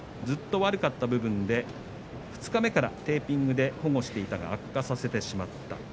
ずっと悪かった部分で二日目からテーピングで保護していたが悪化させてしまった。